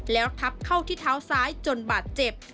แล้วทับเข้าที่เท้าซ้ายจนบาดเจ็บ